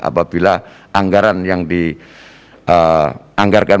apabila anggaran yang dianggarkan